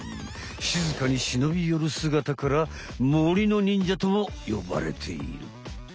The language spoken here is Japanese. しずかにしのびよるすがたから森の忍者ともよばれている！